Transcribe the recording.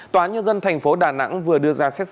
tòa nhân dân thành phố đà nẵng vừa đưa ra xét xử